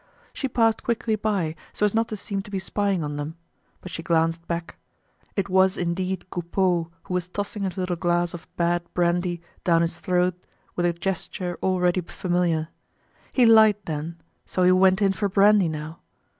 She passed quickly by, so as not to seem to be spying on them. But she glanced back; it was indeed Coupeau who was tossing his little glass of bad brandy down his throat with a gesture already familiar. He lied then; so he went in for brandy now!